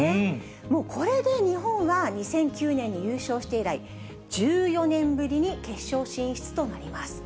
もうこれで日本は２００９年に優勝して以来、１４年ぶりに決勝進出となります。